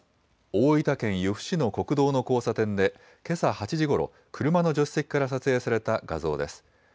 大分県由布市の国道の交差点で、けさ８時ごろ、車の助手席から撮影された画像です。